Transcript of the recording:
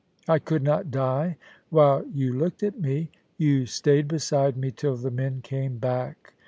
I could not die while you looked at me. You stayed beside me till the men came back.